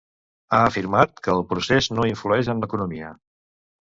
Ha afirmat que el Procés no influeix en l'economia.